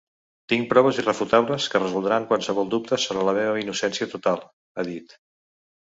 “Tinc proves irrefutables que resoldran qualsevol dubte sobre la meva innocència total”, ha dit.